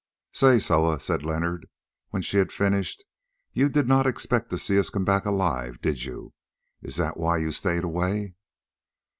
"Say, Soa," said Leonard, when she had finished, "you did not expect to see us come back alive, did you? Is that why you stayed away?"